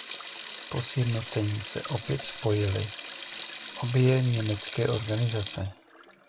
Po sjednocení se opět spojili obě německé organizace.